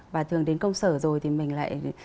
và thường đến công sở rồi thì mình lại